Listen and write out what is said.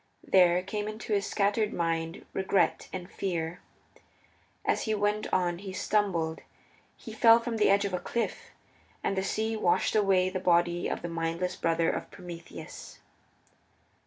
There came into his scattered mind Regret and Fear. As he went on he stumbled. He fell from the edge of a cliff, and the sea washed away the body of the mindless brother of Prometheus.